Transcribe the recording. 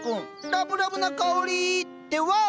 ラブラブな香りってワオ！